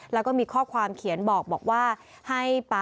แล้วก็มีข้อความเขียนบอกบอกว่า